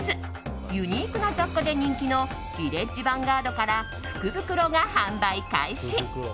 ユニークな雑貨で人気のヴィレッジヴァンガードから福袋が販売開始。